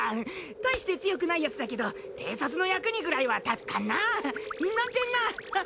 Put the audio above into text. たいして強くないヤツだけど偵察の役にぐらいは立つかななんてなハハハ。